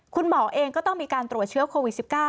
คุณหมอเองก็ต้องมีการตรวจเชื้อโควิด๑๙